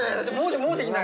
もうできない。